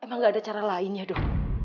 emang gak ada cara lain ya dok